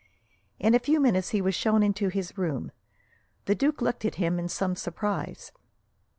In a few minutes he was shown into his room. The duke looked at him in some surprise.